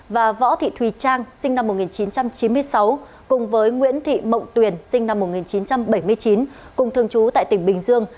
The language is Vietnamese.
và võ thị thùy trang sinh năm một nghìn chín trăm chín mươi sáu cùng với nguyễn thị mộng tuyền sinh năm một nghìn chín trăm bảy mươi chín cùng thường trú tại tỉnh bình dương